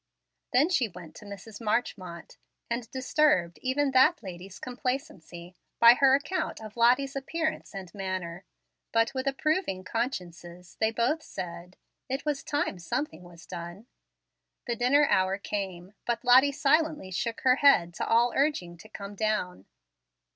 Then she went to Mrs. Marchmont, and disturbed even that lady's complacency by her account of Lottie's appearance and manner. But with approving consciences they both said, "It was time something was done." The dinner hour came, but Lottie silently shook her head to all urging to come down.